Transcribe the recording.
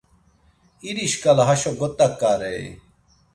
iri şkala haşo got̆aǩarei!